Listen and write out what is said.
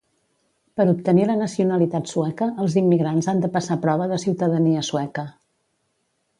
Per obtenir la nacionalitat sueca els immigrants han de passar prova de ciutadania sueca